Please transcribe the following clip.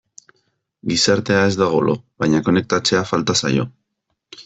Gizartea ez dago lo, baina konektatzea falta zaio.